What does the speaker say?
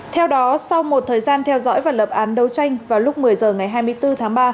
theo đó sau một thời gian theo dõi và lập án đấu tranh vào lúc một mươi h ngày hai mươi bốn tháng ba